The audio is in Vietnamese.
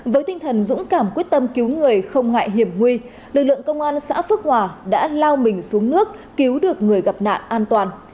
với tinh thần dũng cảm quyết tâm cứu người không ngại hiểm nguy lực lượng công an xã phước hòa đã lao mình xuống nước cứu được người gặp nạn an toàn